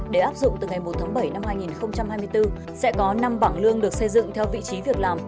để áp dụng từ ngày một tháng bảy năm hai nghìn hai mươi bốn sẽ có năm bảng lương được xây dựng theo vị trí việc làm